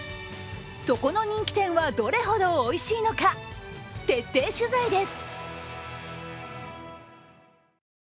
そこの人気店はどれほどおいしいのか、徹底取材です。